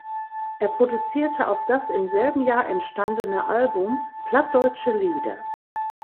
Er produzierte auch das im selben Jahr entstandene Album "Plattdeutsche Lieder".